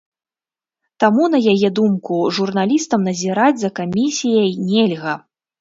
Таму, на яе думку, журналістам назіраць за камісіяй нельга.